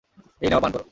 এই নেও পান করো।